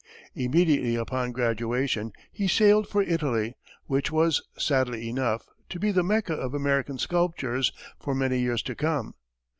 Immediately upon graduation, he sailed for Italy, which was, sadly enough, to be the Mecca of American sculptors for many years to come.